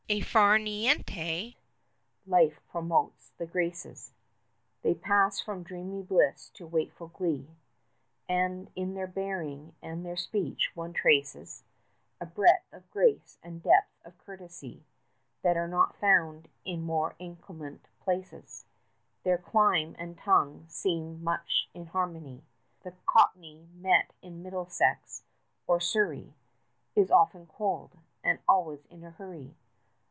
A far niente life promotes the graces; They pass from dreamy bliss to wakeful glee, 10 And in their bearing and their speech one traces A breadth of grace and depth of courtesy That are not found in more inclement places; Their clime and tongue seem much in harmony: The Cockney met in Middlesex, or Surrey, 15 Is often cold and always in a hurry.